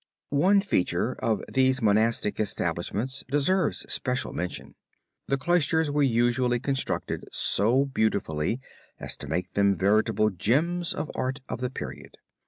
One feature of these monastic establishments deserves special mention. The cloisters were usually constructed so beautifully as to make them veritable gems of the art of the period.